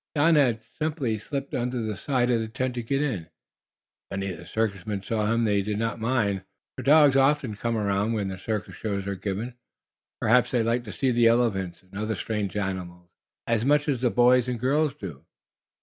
Don had simply slipped under the side of the tent to get in. If any of the circus men saw him they did not mind, for dogs often come around where circus shows are given. Perhaps they like to see the elephants and other strange animals, as much as the boys and girls do.